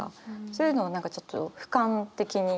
そういうのを何かちょっと俯瞰的に。